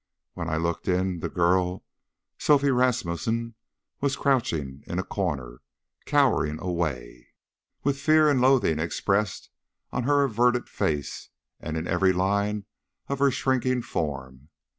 When I looked in the girl, Sophie Ramusine, was crouching in a corner, cowering away, with fear and loathing expressed on her averted face and in every line of her shrinking form.